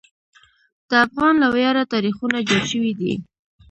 د افغان له ویاړه تاریخونه جوړ شوي دي.